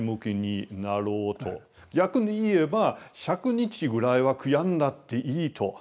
逆に言えば１００日ぐらいは悔やんだっていいと。